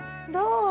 どう？